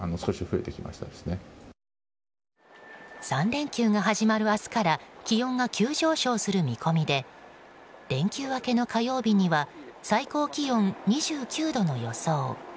３連休が始まる明日から気温が急上昇する見込みで連休明けの火曜日には最高気温２９度の予想。